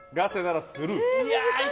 ガセならスルー。